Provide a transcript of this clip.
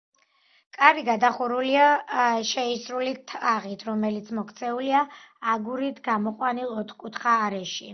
კარი გადახურულია შეისრული თაღით, რომელიც მოქცეულია აგურით გამოყვანილ, ოთხკუთხა არეში.